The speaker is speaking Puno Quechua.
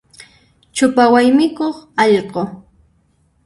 Chupa waymikuq allqu.